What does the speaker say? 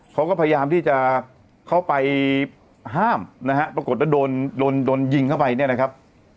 เขาก็พยายามที่จะเข้าไปห้ามนะฮะปรากฏว่าโดนโดนยิงเข้าไปเนี่ยนะครับ